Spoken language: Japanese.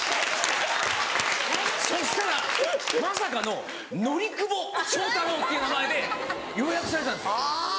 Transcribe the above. そしたらまさかのノリクボショウタロウっていう名前で予約されたんですよ。